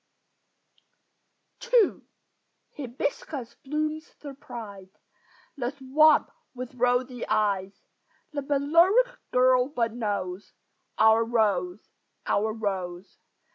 II Hibiscus blooms surprise The swamp with rosy eyes; The Balearic girl but knows Our rose, our rose!